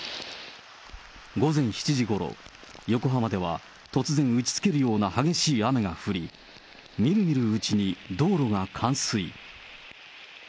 午前７時ごろ、横浜では突然打ちつけるような激しい雨が降り、みるみるうちに道路が冠水。